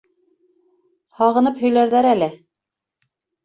Һағынып һөйләрҙәр әле.